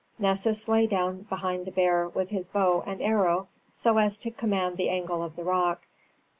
Nessus lay down behind the bear, with his bow and arrow so as to command the angle of the rock.